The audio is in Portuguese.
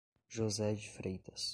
José de Freitas